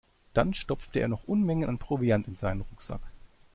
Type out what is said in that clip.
Dann stopfte er noch Unmengen an Proviant in seinen Rucksack.